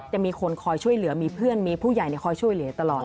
จะมีคนคอยช่วยเหลือมีเพื่อนมีผู้ใหญ่คอยช่วยเหลือตลอด